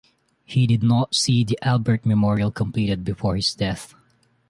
He did not see the Albert Memorial completed before his death.